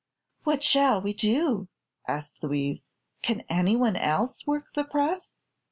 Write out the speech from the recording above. "What shall we do?" asked Louise. "Can anyone else work the press?"